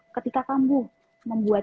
ketika kamu membuat